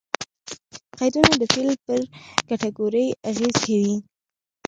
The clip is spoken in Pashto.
قیدونه د فعل پر کېټګوري اغېز کوي.